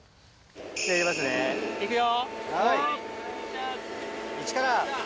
じゃあ、いきますね、いくよ。